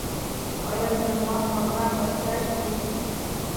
ایا زما خوله به ښه شي؟